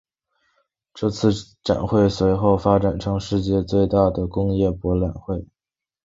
这次展会随后发展成世界上最大的工业博览会。